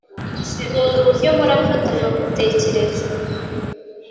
nkunda uburyo mpora mfata nkagutekereza